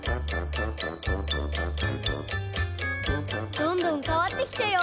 どんどんかわってきたよ。